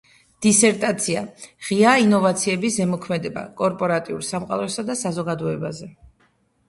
დისერტაცია: ღია ინოვაციების ზემოქმედება კორპორატიულ სამყაროსა და საზოგადოებაზე.